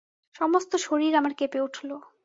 সমস্ত শরীর আমার কেঁপে উঠল।